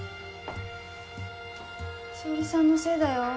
紫織さんのせいだよ。